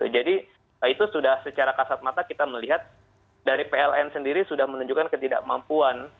jadi itu sudah secara kasat mata kita melihat dari pln sendiri sudah menunjukkan ketidakmampuan